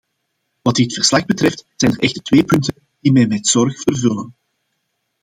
Wat dit verslag betreft, zijn er echter twee punten die mij met zorg vervullen.